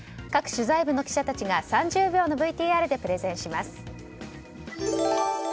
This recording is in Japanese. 各取材部の記者たちが３０秒のＶＴＲでプレゼンします。